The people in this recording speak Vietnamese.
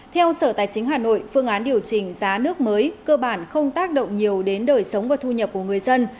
theo sở tài chính hà nội phương án điều chỉnh giá nước mới cơ bản không tác động nhiều đến đời sống và thu nhập của người dân